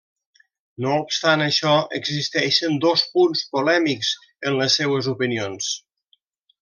No obstant això, existeixen dos punts polèmics en les seues opinions.